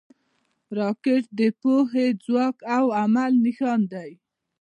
راکټ د پوهې، ځواک او عمل نښان دی